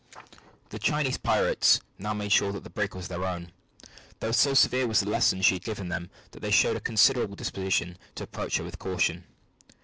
The Chinese pirates now made sure that the brig was their own, though so severe was the lesson she had given them that they showed a considerable disposition to approach her with caution.